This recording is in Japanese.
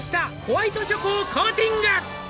「ホワイトチョコをコーティング」